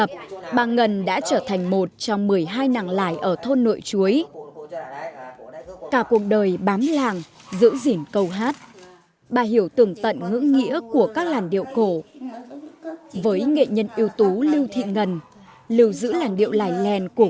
vận ngữ nghĩa của các làn điệu cổ với nghệ nhân ưu tú lưu thị ngân lưu giữ làn điệu lài lèn của